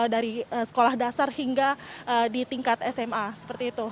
dari sekolah dasar hingga di tingkat sma seperti itu